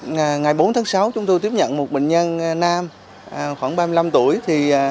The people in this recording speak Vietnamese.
ngày bốn tháng sáu chúng tôi tiếp nhận một bệnh nhân nam khoảng ba mươi năm tuổi